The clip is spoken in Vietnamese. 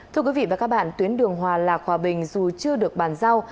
thưa quý vị và các bạn tuyến đường hòa lạc hòa bình dù chưa được bàn giao